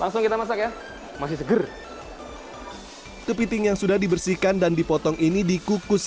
langsung kita masak ya masih seger kepiting yang sudah dibersihkan dan dipotong ini dikukus